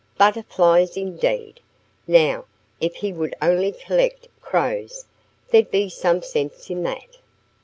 Butterflies, indeed! Now, if he would only collect Crows there'd be some sense in that!"